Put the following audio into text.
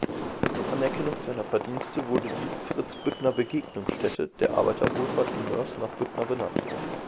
In Anerkennung seiner Verdienste wurde die „Fritz-Büttner-Begegnungsstätte“ der Arbeiterwohlfahrt in Moers nach Büttner benannt.